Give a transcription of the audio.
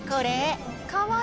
かわいい。